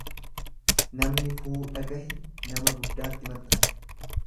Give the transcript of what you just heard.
Namni fuudha gahe nama guddaatti maxxana.